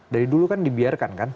dari dulu kan dibiarkan kan